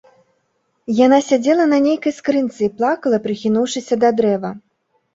Яна сядзела на нейкай скрынцы і плакала, прыхінуўшыся да дрэва.